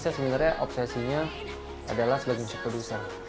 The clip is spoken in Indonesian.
saya sebenarnya obsesinya adalah sebagai musik producer